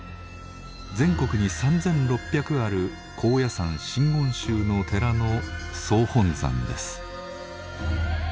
全国に３，６００ある高野山真言宗の寺の総本山です。